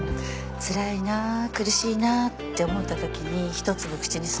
つらいな苦しいなって思ったときに一粒口にするんですって。